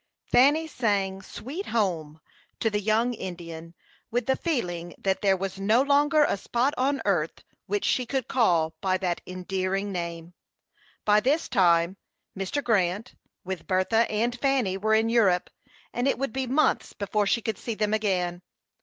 Fanny sang "Sweet Home" to the young Indian, with the feeling that there was no longer a spot on earth which she could call by that endearing name. By this time, Mr. Grant, with Bertha and Fanny, were in Europe, and it would be months before she could see them again.